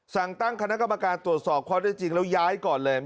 สั่งตั้งคณะกรรมการตรวจสอบข้อได้จริงแล้วย้ายก่อนเลย